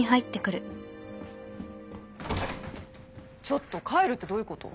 ちょっと帰るってどういうこと？